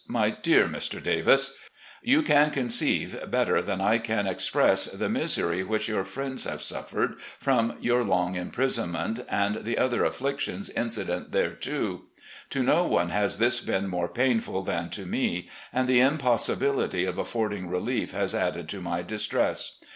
"My Dear Mr. Davis: You can conceive better than I can express the misery which your friends have suffered from your long imprisonment, and the other aiSictions incident thereto. To no one has this been more painful than to me, and the impossibility of affording relief has added to my distress.